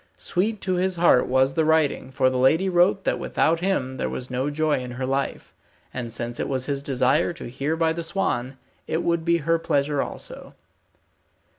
Sweet to his heart was the writing, for the lady wrote that without him there was no joy in her life, and since it was his desire to hear by the swan, it would be her pleasure also.